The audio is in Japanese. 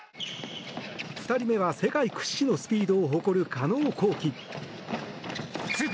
２人目は世界屈指のスピードを誇る加納虹輝。